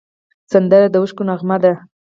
سندره د اوښکو نغمه ده